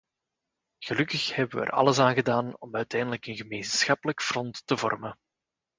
Gelukkig hebben we er alles aan gedaan om uiteindelijk een gemeenschappelijk front te vormen.